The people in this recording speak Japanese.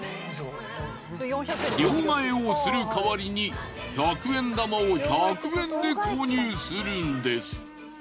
両替をするかわりに１００円玉を１００円で購入するんです。